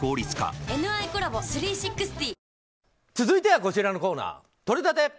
続いてはこちらのコーナーとれたて！